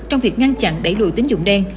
trong việc ngăn chặn đẩy lùi tính dụng đen